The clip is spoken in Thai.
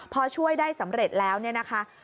พอช่วยได้สำเร็จแล้วเนี่ยนะคะ